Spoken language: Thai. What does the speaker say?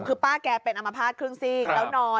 คือป้าแกเป็นอัมพาตครึ่งซีกแล้วนอน